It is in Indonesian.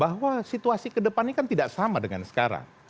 bahwa situasi kedepannya kan tidak sama dengan sekarang